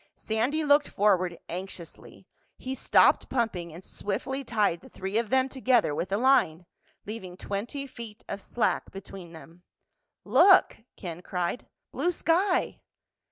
Sandy looked forward anxiously. He stopped pumping and swiftly tied the three of them together with the line, leaving twenty feet of slack between them. "Look!" Ken cried. "Blue sky!"